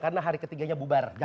karena hari ketiganya bubar